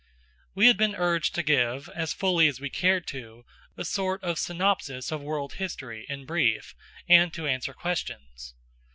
We had been urged to give, as fully as we cared to, a sort of synopsis of world history, in brief, and to answer questions.